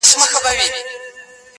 قاضي صاحبه ملامت نه یم، بچي وږي وه